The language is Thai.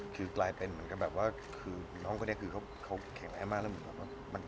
คือกลายเป็นแบบว่าน้องเขาแข็งแรงมากแล้ว